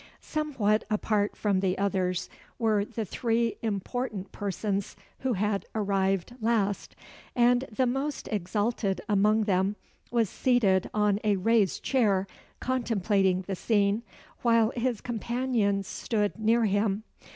Somewhat apart from the others were the three important persons who had arrived last; and the most exalted among them was seated on a raised chair, contemplating the scene, while his companions stood near him.